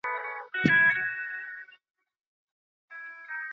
بې حوالې لیکني په علمي نړۍ کي هيڅ راز اعتبار نه لري.